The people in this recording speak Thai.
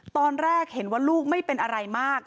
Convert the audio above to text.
ตอนแรกเห็นว่าลูกไม่เป็นอะไรมาก